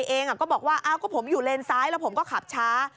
แต่มอเตอร์ไซต์เองก็บอกว่าผมอยู่เลนซ้ายแล้วผมก็ขับช้า